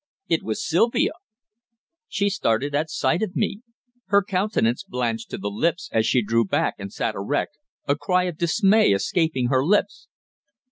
It was Sylvia! She started at sight of me. Her countenance blanched to the lips as she drew back and sat erect, a cry of dismay escaping her lips.